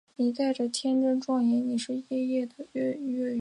本属中的物种之一甜叶菊因其叶子生产甜菊糖而广为栽种。